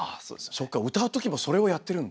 そっか歌うときもそれをやってるんだ。